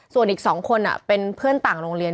ส่วนอีก๒คนเป็นเพื่อนต่างโรงเรียน